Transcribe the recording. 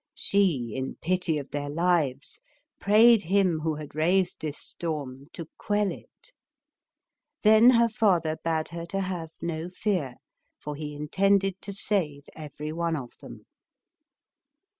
She, in pity of their lives, prayed him who had raised this storm to quell it. Then her father bade her to have no fear, for he intended to save every one of them.